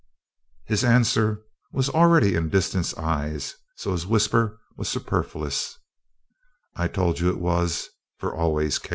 Her answer was already in Disston's eyes so his whisper was superfluous "I told you it was for always, Kate."